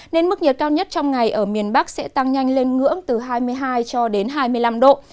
nên mức nhiệt cao nhất trong ngày ở miền bắc sẽ tăng nhanh lên ngưỡng từ hai mươi hai cho đến hai mươi năm độ